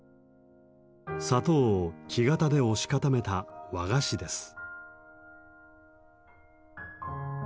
砂糖を木型で押し固めた和菓子です。